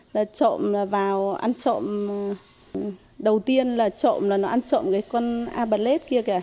nó ăn trộm đầu tiên là trộm là nó ăn trộm cái con a ballet kia kìa